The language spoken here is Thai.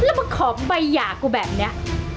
แล้วมาขอบายหยากกูแบบเนี้ย